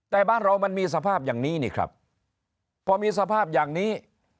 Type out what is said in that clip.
แต่บ้านเรามันมีสภาพอย่างนี้นี่ครับพอมีสภาพอย่างนี้